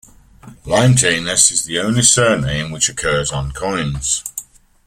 "Limetanus" is the only surname which occurs on coins.